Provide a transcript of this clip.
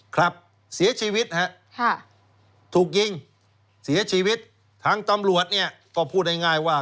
ครับเสียชีวิตฮะถูกยิงเสียชีวิตทางตำรวจเนี่ยก็พูดง่ายว่า